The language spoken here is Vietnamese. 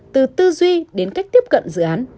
từ tư duy đến cách tiếp cận dự án